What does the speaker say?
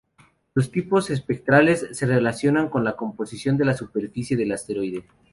Los tipos espectrales se relacionan con la composición de la superficie del asteroide.